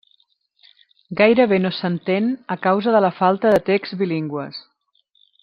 Gairebé no s'entén a causa de la falta de texts bilingües.